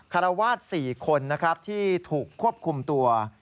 คารวาด๔คนที่ถูกควบคุมตัว